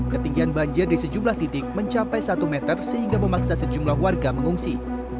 ketinggian banjir di sejumlah titik mencapai satu meter sehingga memaksa sejumlah warga mengungsi